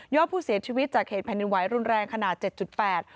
ยอดผู้เสียชีวิตจากเหตุผนินไหวรุนแรงขนาด๗๘